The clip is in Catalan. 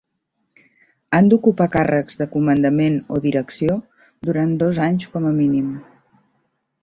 Han d'ocupar càrrecs de comandament o direcció durant dos anys com a mínim.